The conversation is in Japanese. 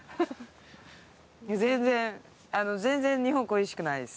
全然全然日本恋しくないです。